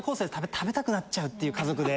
食べたくなっちゃうっていう家族で。